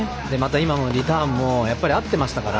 リターンも合ってましたから。